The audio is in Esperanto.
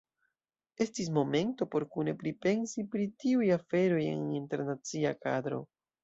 Estis momento por kune pripensi pri tiuj aferoj en internacia kadro.